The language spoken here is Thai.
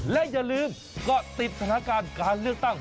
และอย่าลืมเกาะติดสถานการณ์การเลือกตั้ง